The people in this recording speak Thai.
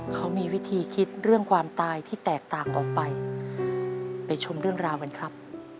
เขามีวิธีคิดเรื่องความตายที่แตกต่างออกไปไปชมเรื่องราวกันครับ